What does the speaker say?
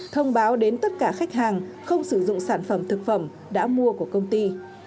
thông báo đến tất cả khách hàng không sử dụng sản phẩm thực phẩm đã mua của công ty